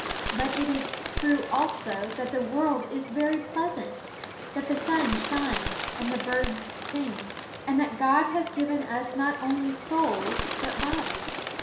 But it is true also that the world is very pleasant, that the sun shines and the birds sing, and that God has given us not only souls but bodies.